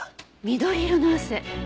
緑色の汗。